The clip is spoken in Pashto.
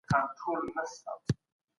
سرمایه داري نظام د غریبو خلګو د ژوند دښمن دی.